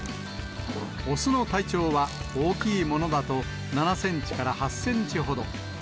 雄の体長は、大きいものだと７センチから８センチほど。